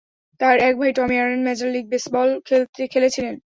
তাঁর এক ভাই, Tommie Aaron, major league baseball খেলেছিলেন।